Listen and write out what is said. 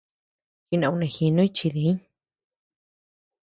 Jinaunejinuñ chi diñ.